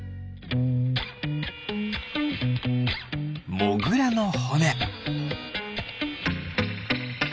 モグラのほね。